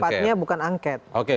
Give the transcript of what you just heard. tapi tempatnya bukan angket oke